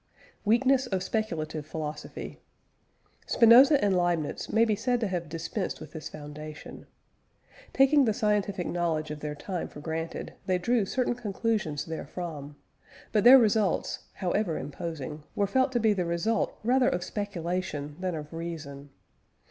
WEAKNESS OF SPECULATIVE PHILOSOPHY. Spinoza and Leibniz may be said to have dispensed with this foundation. Taking the scientific knowledge of their time for granted, they drew certain conclusions therefrom; but their results, however imposing, were felt to be the result rather of speculation than of reason.